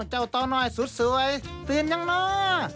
เจ้าเต้าน้อยสุดปืนยังนะ